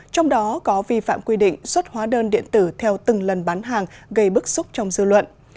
trong đó có vi phạm quy định xuất hóa đơn điện tử theo từng lần bán hàng gây bức xúc trong dư luận